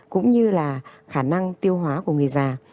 cũng như là khả năng tiêu hóa của người già